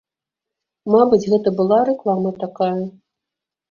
Мабыць, гэта была рэклама такая.